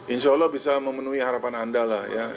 insya allah bisa memenuhi harapan anda lah ya